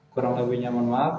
kurang lebihnya mohon maaf